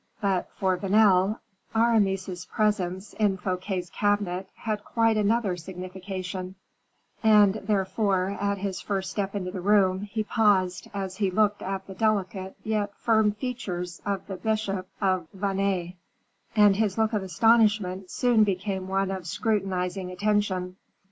But, for Vanel, Aramis's presence in Fouquet's cabinet had quite another signification; and, therefore, at his first step into the room, he paused as he looked at the delicate yet firm features of the bishop of Vannes, and his look of astonishment soon became one of scrutinizing attention.